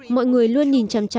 mọi người luôn nhìn trắng